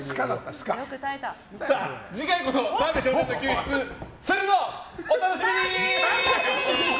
次回こそ澤部少年の救出お楽しみに！